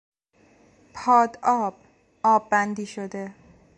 پاد آب، آب بندی شده